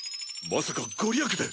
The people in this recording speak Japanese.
まさかご利益で？